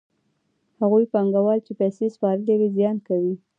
هغو پانګوالو چې پیسې سپارلې وي زیان کوي